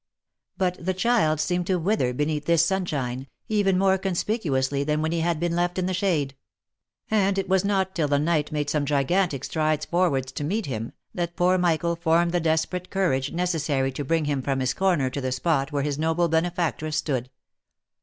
But the child seemed to wither be neath this sunshine, even more conspicuously than when he had been left in the shade ; and it was not till the knight made some gigantic strides forwards to meet him, that poor Michael formed the desperate courage necessary to bring him from his corner to the spot where his noble benefactress stood.